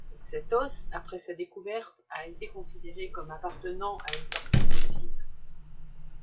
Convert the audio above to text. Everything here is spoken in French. Cet os après sa découverte a été considéré comme appartenant à une tortue fossile.